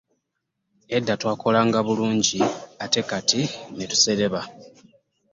Edda twakolanga bulungi ate kati ne tusereba